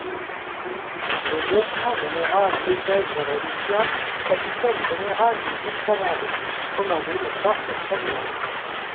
Le lieutenant-général Lopez Valencia, capitaine général des îles Canaries, commandait les forces espagnoles.